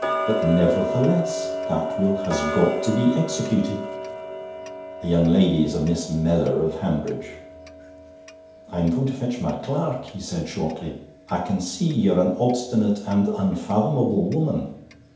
But, nevertheless, that will has got to be executed.' 'The young lady is a Miss Mellor of Hanbridge.' 'I'm going to fetch my clerk,' he said shortly. 'I can see ye're an obstinate and unfathomable woman.